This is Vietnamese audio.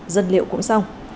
dân liệu cũng xong